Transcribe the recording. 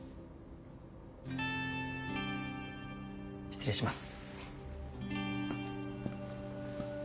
失礼します。